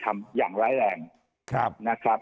ทำอย่างแร้แรงนะครับ